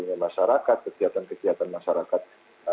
dengan masyarakat kegiatan kegiatan masyarakat